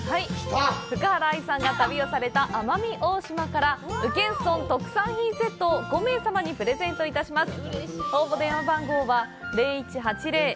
福原愛さんが旅をされた奄美大島から宇検村特産品セットを５名様にプレゼントします。